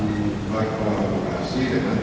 melakukan provokasi dengan